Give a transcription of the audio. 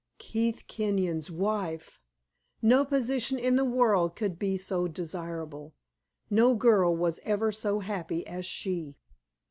Keith Kenyon's wife! No position in the world could be so desirable; no girl was ever so happy as she.